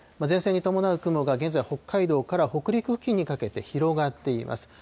前線に伴う雲が現在、北海道から北陸付近にかけて広がっています。